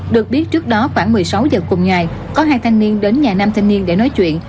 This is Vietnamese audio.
được biết trước đó khoảng một mươi sáu giờ cùng ngày có hai thanh niên đến nhà nam thanh niên để nói chuyện